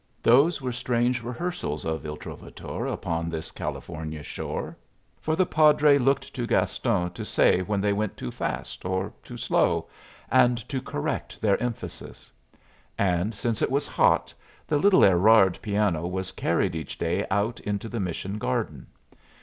Those were strange rehearsals of "Il Trovatore" upon this California shore. For the padre looked to Gaston to say when they went too fast or too slow, and to correct their emphasis. And since it was hot, the little Erard piano was carried each day out into the mission garden.